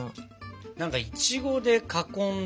なんかいちごで囲んで。